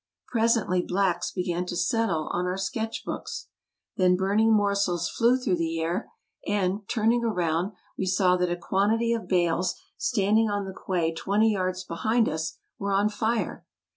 Presently blacks began to settle on our sketch books. Then burning morsels flew through the air, and, turning round, we saw that a quantity of bales standing on the quay twenty yards behind us were on fire.